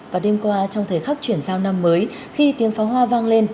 và đêm qua trong thời khắc chuyển giao năm mới khi tiếng pháo hoa vang lên